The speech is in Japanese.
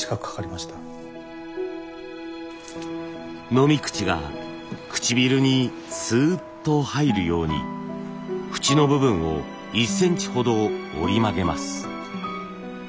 飲み口が唇にスーッと入るようにフチの部分を１センチほど折り曲げます。